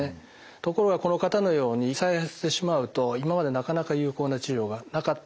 ところがこの方のように再発してしまうと今までなかなか有効な治療がなかったというのが現状です。